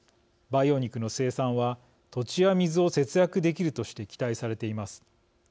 培養肉の生産は土地や水を節約できるとして期待されています。